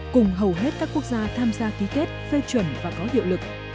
cùng hầu hết các quốc gia tham gia ký kết phê chuẩn và có hiệu lực